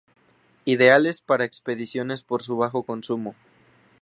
Ideales para expediciones por su bajo consumo.